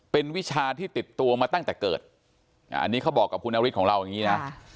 เป็นวิชาที่ติดตัวมาตั้งแต่เกิดอันนี้เขาบอกกับคุณนฤทธิของเราอย่างนี้นะ